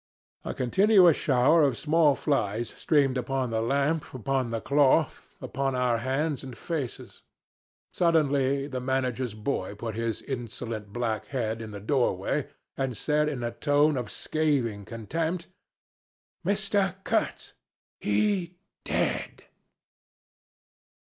A continuous shower of small flies streamed upon the lamp, upon the cloth, upon our hands and faces. Suddenly the manager's boy put his insolent black head in the doorway, and said in a tone of scathing contempt "'Mistah Kurtz he dead.'